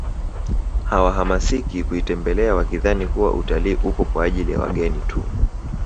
Hawahamasiki kuitembelea wakidhani kuwa utalii upo kwa ajili ya wageni tu